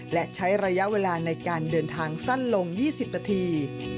และใช้ระยะเวลาในการเดินทางสั้นลง๒๐นาที